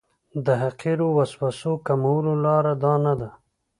د حقیرو وسوسو کمولو لاره دا نه ده.